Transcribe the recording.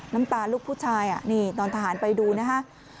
น้ำตาลูกผู้ชายนี่ตอนทหารไปดูนะฮะ